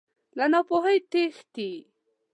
له ناپوهۍ تښتې.